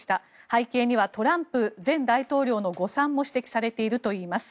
背景にはトランプ前大統領の誤算も指摘されているといいます。